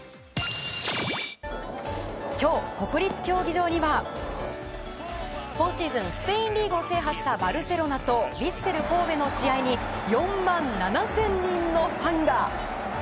今日、国立競技場には今シーズンスペインリーグを制覇したバルセロナとヴィッセル神戸の試合に４万７０００人のファンが。